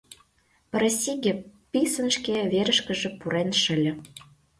Пырысиге писын шке верышкыже пурен шыле.